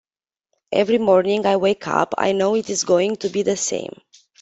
Every morning I wake up I know it is going to be the same.